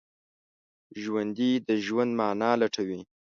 ژوندي د ژوند معنی لټوي